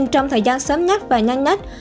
trong thời gian sớm nhất và nhanh nhất